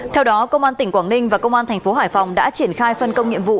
theo đó công an tỉnh quảng ninh và công an thành phố hải phòng đã triển khai phân công nhiệm vụ